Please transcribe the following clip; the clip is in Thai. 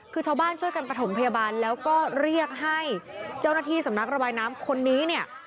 คือชาวบ้านช่วยกันประถมพยาบาลแล้วก็เรียกให้เจ้าหน้าที่สำนักระบายน้ำคนนี้เนี่ย